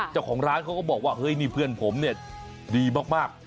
เจ้าของร้านเขาก็บอกว่าเฮ้ยนี่เพื่อนผมเนี่ยดีมาก